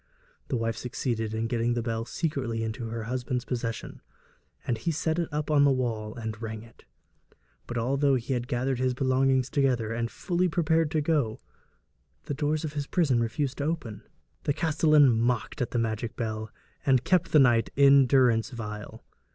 The wife succeeded in getting the bell secretly into her husband's possession, and he set it up on the wall and rang it. But although he had gathered his belongings together and was fully prepared to go, the doors of his prison refused to open. The castellan mocked at the magical bell, and kept the knight in durance vile.